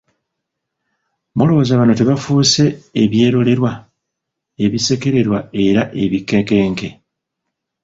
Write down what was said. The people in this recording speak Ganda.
Mulowooza bano tebafuuse ebyerolerwa, ebisekererwa era ebikekenke ?